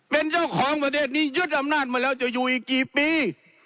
เป็นเจ้าของประเทศนี้ยึดอำนาจมาแล้วจะอยู่อีกกี่ปี